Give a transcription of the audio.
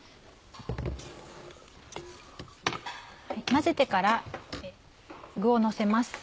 混ぜてから具をのせます。